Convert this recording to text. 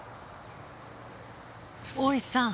大石さん